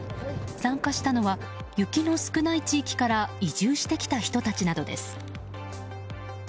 参加したのは雪の少ない地域から移住してきた人たちなどです。